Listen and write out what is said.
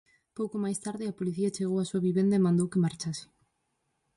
Pouco máis tarde, a Policía chegou á súa vivenda e mandou que marchase.